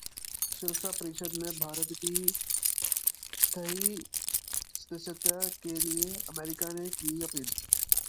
सुरक्षा परिषद में भारत की स्थायी सदस्यता के लिए अमेरिका ने की अपील